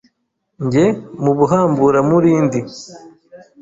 Njye mu Buhamburamurindi